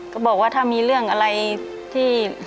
ก็บอกว่าถ้ามีเรื่องอะไรที่